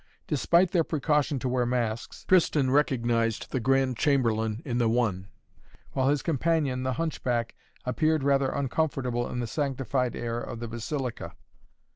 Despite their precaution to wear masks, Tristan recognized the Grand Chamberlain in the one, while his companion, the hunchback, appeared rather uncomfortable in the sanctified air of the Basilica.